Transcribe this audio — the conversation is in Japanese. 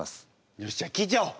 よしじゃあ聞いちゃおう！